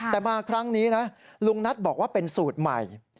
แต่มาครั้งนี้นะลุงนัทบอกว่าเป็นสูตรใหม่